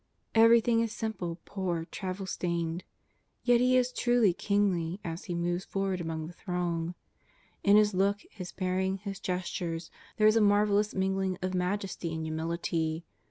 Everything is simple, poor, travel stained. Yet He is truly kingly as He moves forward among the throng. In His look. His bearing, His gestures, there is a marvellous mingling of majesty 312 JESUS OP NAZAKETH. and humility.